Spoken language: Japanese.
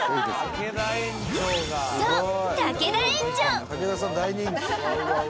そう竹田園長！